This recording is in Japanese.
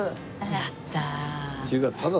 やったー。